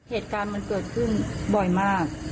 เหตุการณ์มันเกิดขึ้นบ่อยมาก